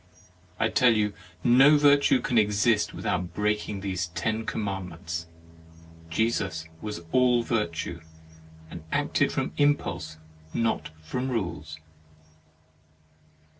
I tell you, no virtue can exist without break ing these ten commandments. Jesus was all virtue, and acted from im pulse, not from rules."